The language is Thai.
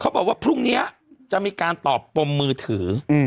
บอกว่าพรุ่งนี้จะมีการตอบปมมือถือ